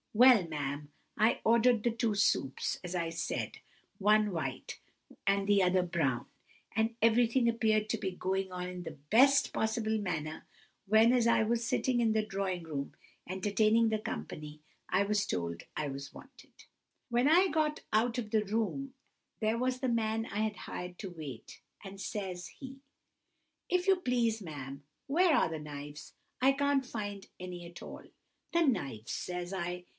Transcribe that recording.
Well, ma'am, I ordered the two soups, as I said, one white, and the other brown; and everything appeared to be going on in the best possible manner, when, as I was sitting in the drawing room entertaining the company, I was told I was wanted. [Picture: Playing at ladies] "When I got out of the room, there was the man I had hired to wait, and says he:— "'If you please, ma'am where are the knives? I can't find any at all!' "'No knives!' says I.